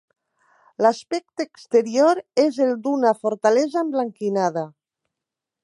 L'aspecte exterior és el d'una fortalesa emblanquinada.